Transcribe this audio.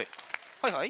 はいはい。